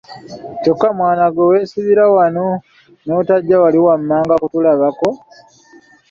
Kyokka mwana ggwe ne weesibira wano n’otajja wali wammanga kutulabako!